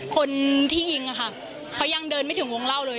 คนที่ยิงอะค่ะเขายังเดินไม่ถึงวงเล่าเลย